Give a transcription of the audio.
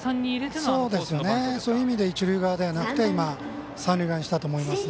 そういう意味で、一塁側ではなく三塁側にしたと思います。